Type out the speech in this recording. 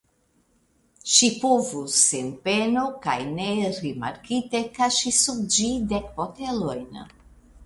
Ŝi povus sen peno kaj nerimarkite kaŝi sub ĝi dek botelojn.